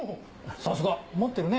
さすが持ってるね。